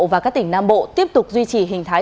và các tỉnh nam bộ tiếp tục duy trì hình thái